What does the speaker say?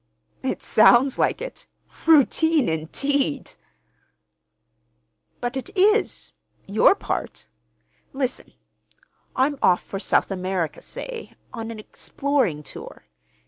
"It sounds like it. Routine, indeed!" "But it is—your part. Listen. I'm off for South America, say, on an exploring tour.